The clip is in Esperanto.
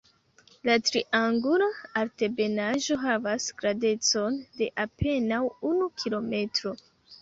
La triangula altebenaĵo havas grandecon de apenaŭ unu kilometro.